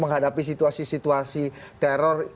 menghadapi situasi situasi teror